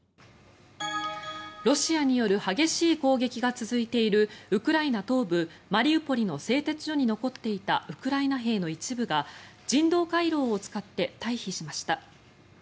ロシアによる激しい攻撃が続いているウクライナ東部マリウポリの製鉄所に残っていたウクライナ兵の一部が人道回廊を使って退避しました。